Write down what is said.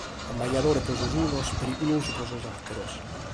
Ammajadore pro sos unos, perigulosu pro sos àteros.